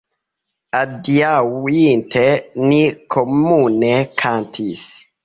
Adiaŭinte ni komune kantis.